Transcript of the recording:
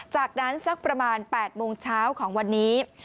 จากนั้นสักประมาณ๘โมงเช้าของวันนี้